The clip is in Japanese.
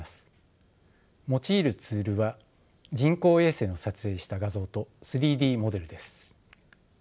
用いるツールは人工衛星の撮影した画像と３Ｄモデルです。